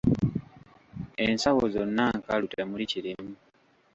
Ensawo zonna nkalu temuli kirimu.